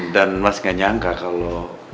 dan mas gak nyangka kalau